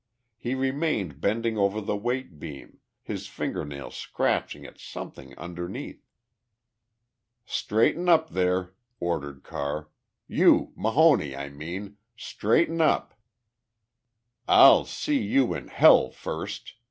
He remained bending over the weight beam, his finger nails scratching at something underneath. "Straighten up there!" ordered Carr. "You Mahoney I mean! Straighten up!" "I'll see you in hell first!"